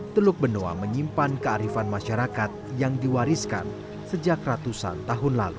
teluk benoa menyimpan kearifan masyarakat yang diwariskan sejak ratusan tahun lalu